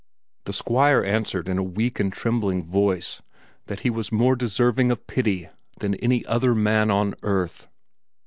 The Squire answered in a weak and trembling voice that he was more deserving of pity than any other man on earth.